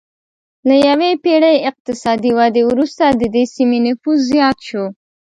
له یوې پېړۍ اقتصادي ودې وروسته د دې سیمې نفوس زیات شو